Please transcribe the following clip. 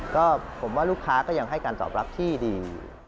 ก็ผมว่าลูกค้าก็ยังให้การตอบรับที่ดี